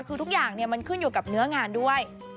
คือทุกอย่างมันขึ้นอยู่กับเนื้องานด้วย